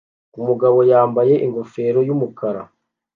Umugabo yambaye ingofero y'umukara